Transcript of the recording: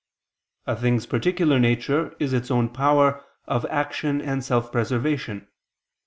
A thing's particular nature is its own power of action and self preservation.